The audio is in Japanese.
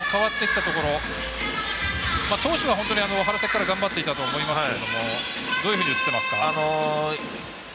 春先と変わってきたところ当初は本当に春先から頑張ってきたと思いますがどういうふうに映ってますか。